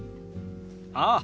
ああ。